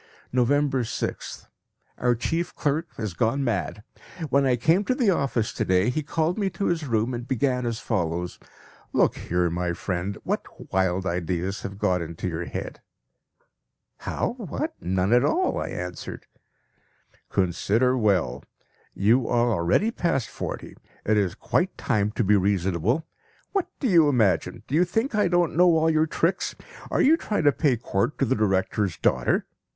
November 6th. Our chief clerk has gone mad. When I came to the office to day he called me to his room and began as follows: "Look here, my friend, what wild ideas have got into your head?" "How! What? None at all," I answered. "Consider well. You are already past forty; it is quite time to be reasonable. What do you imagine? Do you think I don't know all your tricks? Are you trying to pay court to the director's daughter?